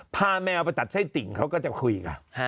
แมวไปตัดไส้ติ่งเขาก็จะคุยกัน